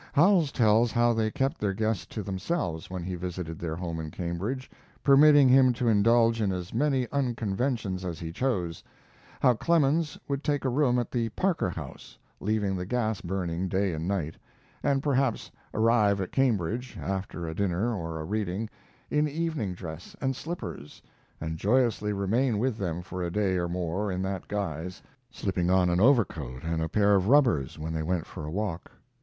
Howells tells how they kept their guest to themselves when he visited their home in Cambridge, permitting him to indulge in as many unconventions as he chose; how Clemens would take a room at the Parker House, leaving the gas burning day and night, and perhaps arrive at Cambridge, after a dinner or a reading, in evening dress and slippers, and joyously remain with them for a day or more in that guise, slipping on an overcoat and a pair of rubbers when they went for a walk.